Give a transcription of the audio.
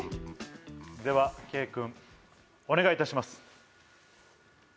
ではＫ君お願いいたします。